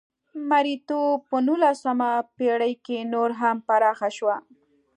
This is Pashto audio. مریتوب په نولسمه پېړۍ کې نور هم پراخه شوه.